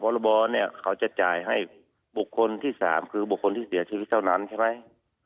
รบเนี่ยเขาจะจ่ายให้บุคคลที่๓คือบุคคลที่เสียชีวิตเท่านั้นใช่ไหม